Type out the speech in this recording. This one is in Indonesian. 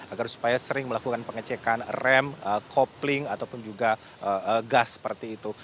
agar supaya sering melakukan pengecekan rem kopling ataupun juga gas seperti itu